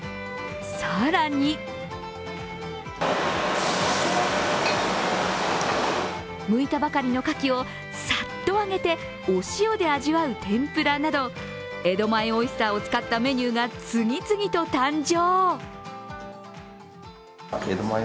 更に、むいたばかりのかきをさっと揚げてお塩で味わう天ぷらなど江戸前オイスターを使ったメニューが次々と誕生。